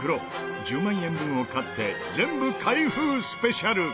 １０万円分を買って全部開封スペシャル！